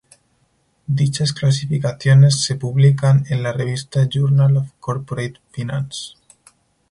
Dichas clasificaciones se publican en la revista Journal of Corporate Finance.